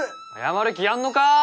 謝る気あんのかー？